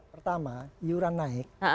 pertama iuran naik